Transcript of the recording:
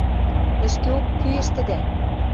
— Ӹшкеок кӱэштӹдӓ.